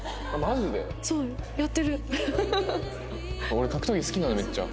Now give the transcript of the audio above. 俺格闘技好きなのめっちゃ。